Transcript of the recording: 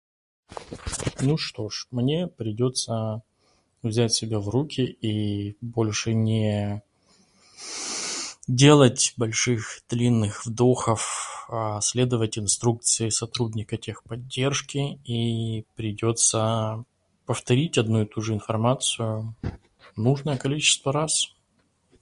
Ну что-ж, мне придётся взять себя в руки и больше не делать больших, длинных вдохов, следовать инструкции сотрудника техподдержки и... придётся повторить одну и туже информацию нужное количество раз.